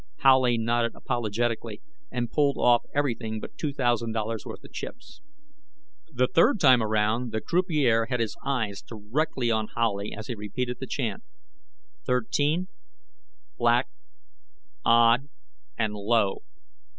Howley nodded apologetically and pulled off everything but two thousand dollars worth of chips. The third time around, the croupier had his eyes directly on Howley as he repeated the chant: "Thirteen, Black, Odd, and Low."